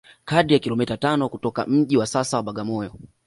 kadri ya kilomita tano kutoka mji wa sasa wa Bagamoyo